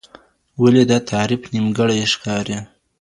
ولي دا تعریف نیمګړی ښکاري؟